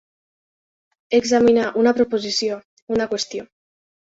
Examinar una proposició, una qüestió.